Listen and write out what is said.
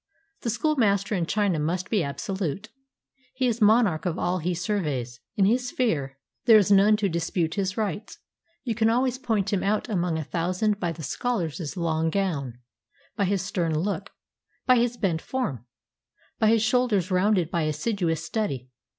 The schoolmaster in China must be absolute. He is monarch of all he surveys ; in his sphere there is none to dispute his rights. You can always point him out among a thousand by the scholar's long gown, by his stern look, by his bent form, by his shoulders rounded by assiduous study.